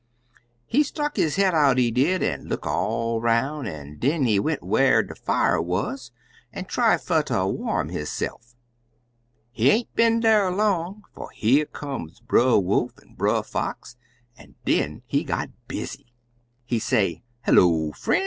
He stuck his head out, he did, an' look all 'roun', an' den he went whar de fier wuz an' try fer ter warm hisse'f. He aint been dar long 'fo' here come Brer Wolf an' Brer Fox, an den he got busy. "He say, 'Hello, frien's!